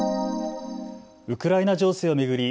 ウクライナ情勢を巡り